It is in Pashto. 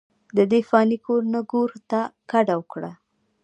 ددې فاني کور نه ګور ته کډه اوکړه،